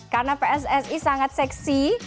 karena pssi sangat seksi